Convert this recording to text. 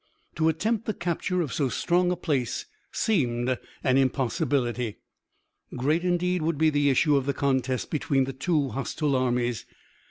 To attempt the capture of so strong a place seemed an impossibility. Great indeed would be the issue of the contest between the two hostile armies.